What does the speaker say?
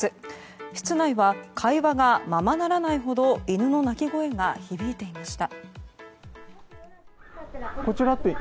室内は会話がままならないほど犬の鳴き声が響いていました。